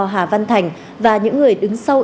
hà văn thành và những người đứng sau